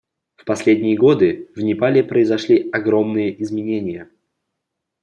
В последние годы в Непале произошли огромные изменения.